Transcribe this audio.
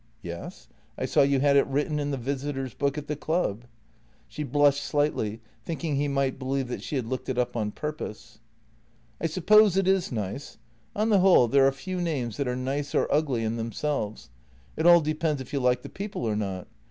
"" Yes; I saw you had written it in the visitors' book at the club." She blushed slightly, thinking he might believe that she had looked it up on purpose. " I suppose it is nice. On the whole, there are few names that are nice or ugly in themselves; it all depends if you like the people or not.